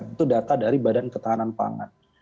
itu data dari badan ketahanan pangan